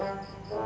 ya pak rt